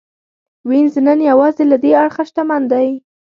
وینز نن یوازې له دې اړخه شتمن دی